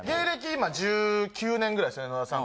今１９年ぐらいですよね野田さん